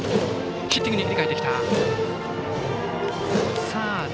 ヒッティングに切り替えてきた。